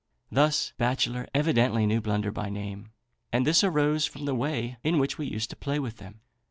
Thus Bachelor evidently knew Blunder by name, and this arose from the way in which we used to play with them.